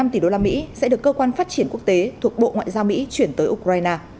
bốn năm tỷ usd sẽ được cơ quan phát triển quốc tế thuộc bộ ngoại giao mỹ chuyển tới ukraine